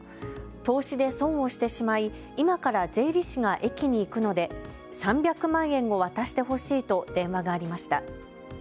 投資で損をしてしまい今から税理士が駅に行くので３００万円を渡してほしいと電話がありました。